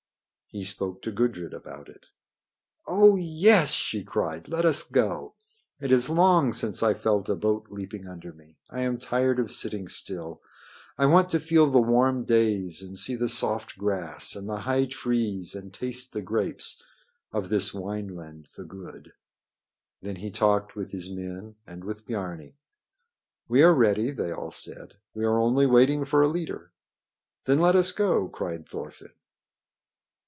He spoke to Gudrid about it. "Oh, yes!" she cried. "Let us go. It is long since I felt a boat leaping under me. I am tired of sitting still. I want to feel the warm days and see the soft grass and the high trees and taste the grapes of this Wineland the Good." Then he talked with his men and with Biarni. "We are ready," they all said. "We are only waiting for a leader." "Then let us go!" cried Thorfinn.